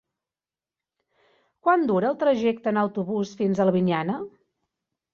Quant dura el trajecte en autobús fins a Albinyana?